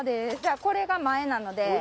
じゃあこれが前なので。